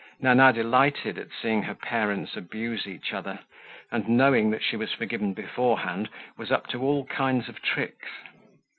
Nana delighted at seeing her parents abuse each other, and knowing that she was forgiven beforehand, was up to all kinds of tricks.